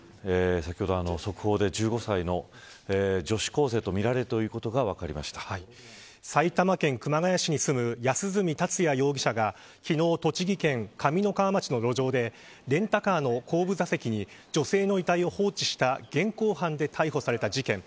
先ほど速報で１５歳の女子高生と埼玉県熊谷市に住む安栖達也容疑者が昨日、栃木県上三川町の路上でレンタカーの後部座席に女性の遺体を放置した現行犯で逮捕された事件。